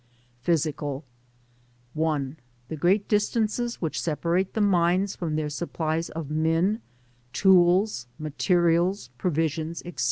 PHYSICAL. 1. The great distances which separate the mines from their supplies of men, tools, materials, pron* Hons, &c.